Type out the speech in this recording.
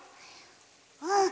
うん。